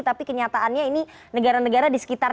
tapi kenyataannya ini negara negara di sekitar